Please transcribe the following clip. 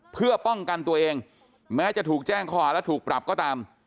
เพื่อป้องกันตัวเองแม้จะถูกแจ้งข้อหาและถูกปรับก็ตาม